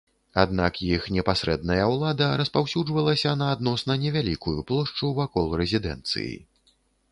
Аднак іх непасрэдная ўлада распаўсюджвалася на адносна невялікую плошчу вакол рэзідэнцыі.